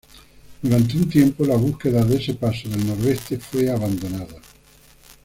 Durante un tiempo la búsqueda de ese paso del Noroeste fue abandonada.